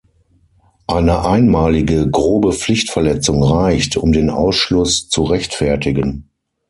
Eine einmalige grobe Pflichtverletzung reicht, um den Ausschluss zu rechtfertigen.